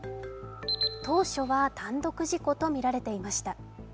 当初は単独事故とみられていました。